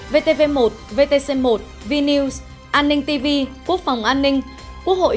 vtv một vtc một vnews an ninh tv quốc phòng an ninh